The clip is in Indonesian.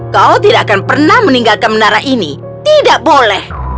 kau tidak akan pernah meninggalkan menara ini tidak boleh